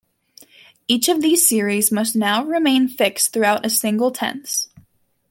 Each of these series must now remain fixed throughout a single tense.